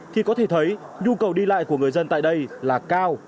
thì có thể thấy nhu cầu đi lại của người dân tại đây là cao